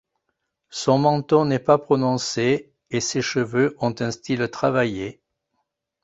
Son menton n'est pas prononcé et ses cheveux ont un style travaillé.